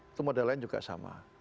itu modal lain juga sama